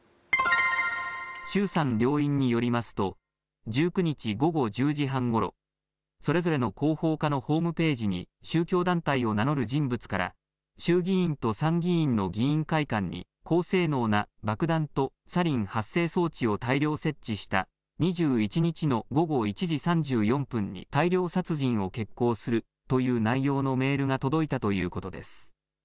衆参両院によりますと１９日、午後１０時半ごろそれぞれの広報課のホームページに宗教団体を名乗る人物から衆議院と参議院の議員会館に高性能な爆弾とサリン発生装置を大量設置した２１日の午後１時３４分に大量殺人を決行するという内容のメールが届いたということです。